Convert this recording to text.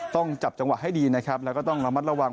ต้องจับจังหวะให้ดีนะครับแล้วก็ต้องระมัดระวัง